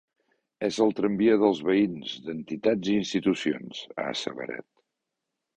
És el tramvia dels veïns, d’entitats i institucions, ha asseverat.